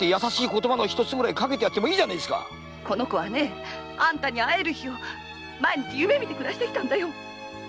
この子はねあんたに会える日を毎日夢見て暮らしてきたんだよ！